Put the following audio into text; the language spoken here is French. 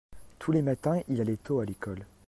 tous les matins il allait tôt à l'école.